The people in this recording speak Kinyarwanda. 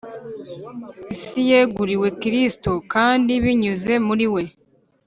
Isi yeguriwe Kristo kandi, binyuze muri We